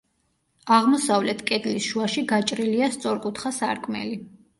აღმოსავლეთ კედლის შუაში გაჭრილია სწორკუთხა სარკმელი.